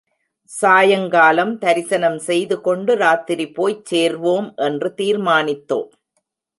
சாயங்காலம் தரிசனம் செய்துகொண்டு, ராத்திரி போய்ச் சேர்வோம் என்று தீர்மானித்தோம்.